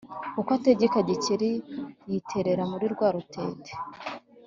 Uko atekera Gikeli yiterera muri rwa rutete